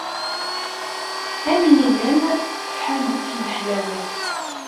Am win yellan deg tḥanut n leḥlawat.